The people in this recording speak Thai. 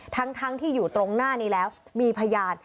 ทั้งที่อยู่ตรงหน้านี้แล้วมีพยาน